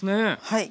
はい。